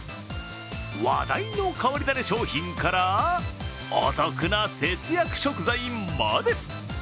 話題の変わり種商品からお得な節約食材まで。